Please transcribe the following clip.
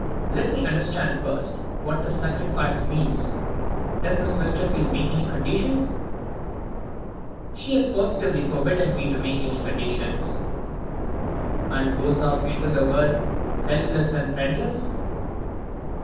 "Let me understand first what the sacrifice means. Does Miss Westerfield make any conditions?" "She has positively forbidden me to make conditions." "And goes out into the world, helpless and friendless?"